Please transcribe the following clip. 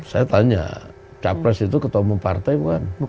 saya tanya capres itu ketua umum partai bukan